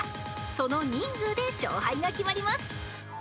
［その人数で勝敗が決まります］